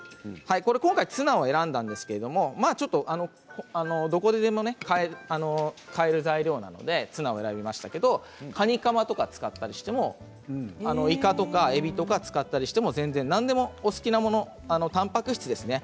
今回ツナを選んだんですがどこでも買える材料なのでツナを選びましたけれども、かにかまとかを使ったりしてもいかとかえびとか使ったりしても全然何でもお好きなものたんぱく質ですね。